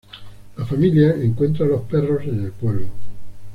La familia encuentra a los perros en el pueblo.